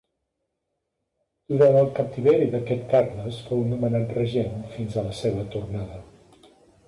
Durant el captiveri d'aquest Carles fou nomenat regent fins a la seva tornada.